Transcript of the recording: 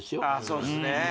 そうですね